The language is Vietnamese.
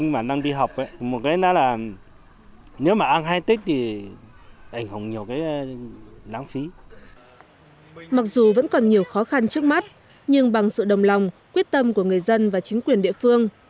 mặc dù vẫn còn nhiều khó khăn trước mắt nhưng bằng sự đồng lòng quyết tâm của người dân và chính quyền địa phương